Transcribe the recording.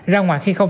ra ngoài khi không